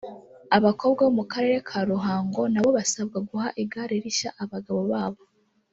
abakobwa bo mu karere ka ruhango nabo basabwa guha igare rishya abagabo babo